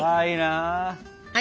はい！